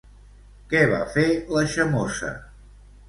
Què va fer la Xamosa?